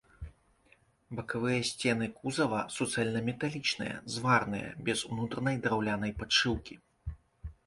Бакавыя сцены кузава суцэльнаметалічныя, зварныя, без унутранай драўлянай падшыўкі.